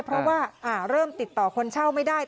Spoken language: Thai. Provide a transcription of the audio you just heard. เพราะว่าเริ่มติดต่อคนเช่าไม่ได้